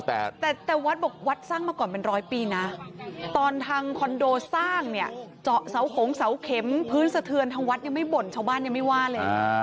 แต่แต่วัดบอกวัดสร้างมาก่อนเป็นร้อยปีนะตอนทางคอนโดสร้างเนี่ยเจาะเสาหงเสาเข็มพื้นสะเทือนทางวัดยังไม่บ่นชาวบ้านยังไม่ว่าเลย